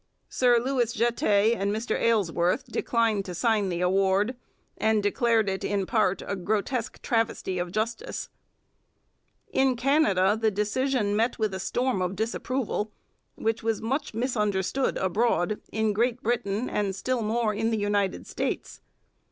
Sir Louis Jetté and Mr Aylesworth declined to sign the award, and declared it in part a 'grotesque travesty of justice.' In Canada the decision met with a storm of disapproval which was much misunderstood abroad, in Great Britain and still more in the United States.